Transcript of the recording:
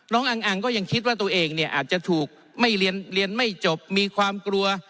อังก็ยังคิดว่าตัวเองเนี่ยอาจจะถูกไม่เรียนไม่จบมีความกลัว